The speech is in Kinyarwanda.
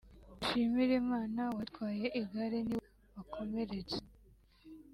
Dushimirimana wari utwaye igare ni we wakomeretse